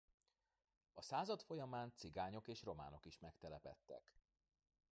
A század folyamán cigányok és románok is megtelepedtek.